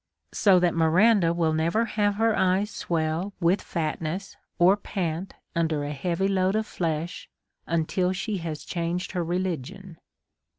So that Miranda will never have her eyes swell with fatness, or pant under a heavy load of flesh, till she has changed her religion.